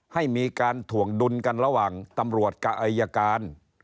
ให้มีการถ่วงดุลกันระหว่างตำรวจกับอายการ